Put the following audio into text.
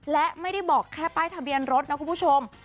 และไม่ได้บอกแค่ป้ายทะเบียนรถนะคุณผู้ชม